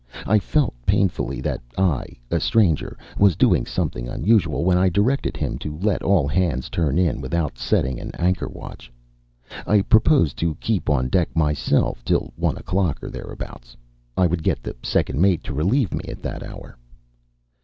I felt painfully that I a stranger was doing something unusual when I directed him to let all hands turn in without setting an anchor watch. I proposed to keep on deck myself till one o'clock or thereabouts. I would get the second mate to relieve me at that hour.